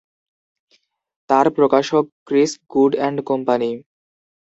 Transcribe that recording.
তার প্রকাশক Chris Good and company.